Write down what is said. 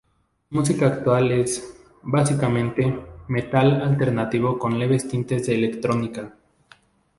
Su música actual es, básicamente, "metal" alternativo con leves tintes de electrónica.